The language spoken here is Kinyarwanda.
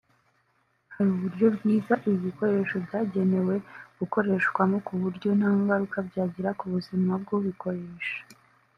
Hari uburyo bwiza ibi bikoresho byagenewe gukoreshwamo ku buryo nta ngaruka byagira ku buzima bw’ubikoresha